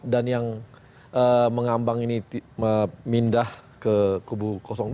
dan yang mengambang ini mindah ke kebu dua